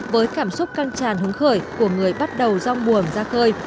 với cảm xúc căng tràn hứng khởi của người bắt đầu rong buồn ra khơi